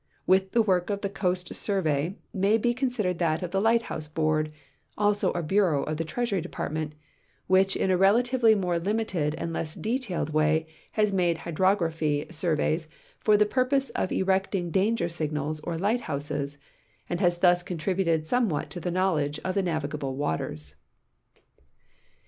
With the work of the Coast Survey may be considered that of tlie Light house Board, also a bureau of the Treasury Department, which in a relatively more limited and less detailed way has made hydrogra])hic sur veys for the ])urp()se of erecting danger signals or light houses, and has thus contributed somewhat to the knowledge of the navigable waters.